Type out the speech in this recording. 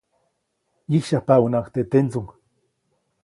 ʼYĩsyajpaʼunhnaʼajk teʼ tendsuŋ.